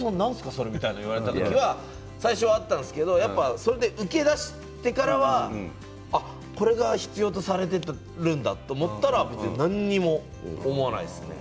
それはと言われた時があったんですけどウケだしてからはこれが必要とされているんだと思ったら別に何も思わないです。